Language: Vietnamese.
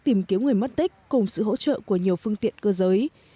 tìm kiếm người mất tích cùng sự hỗ trợ của nhiều phương tiện cơ giới